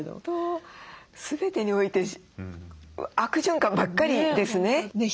本当全てにおいて悪循環ばっかりですね。